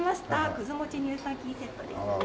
くず餅乳酸菌セットですね。